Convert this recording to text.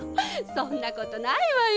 そんなことないわよ。